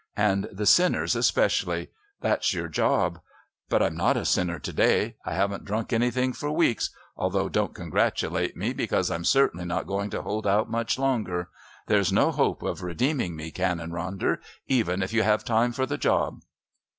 And the sinners especially. That's your job. But I'm not a sinner to day. I haven't drunk anything for weeks, although don't congratulate me, because I'm certainly not going to hold out much longer. There's no hope of redeeming me, Canon Ronder, even if you have time for the job."